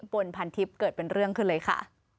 ปนพันทิพย์เกิดเป็นเรื่องขึ้นเลยค่ะ